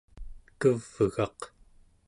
kevgaq